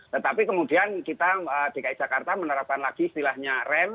tetapi kemudian kita dki jakarta menerapkan lagi istilahnya rem